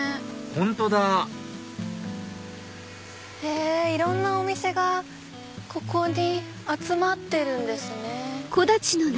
本当だいろんなお店がここに集まってるんですね。